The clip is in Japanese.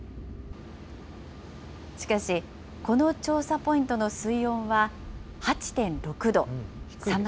しかし、この調査ポイントの水温は８．６度。